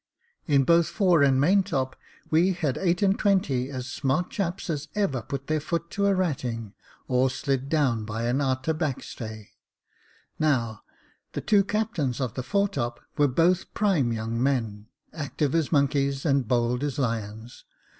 In both fore and main top we had eight and twenty as smart chaps as ever put their foot to a rattling, or slid down by an a'ter backstay. Now, the two captains of the foretop were both prime young men, active as monkeys, and bold as lions.